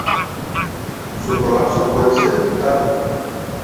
Su colapso puede ser evitado.